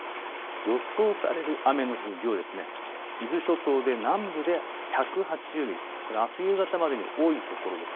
予想される雨の降る量、伊豆諸島で南部で１８０ミリ、あす夕方までの多いところです。